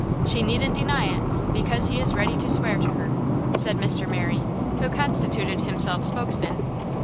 She needn't deny it, because he is ready to swear to her!" said Mr. Merry, who constituted himself spokesman.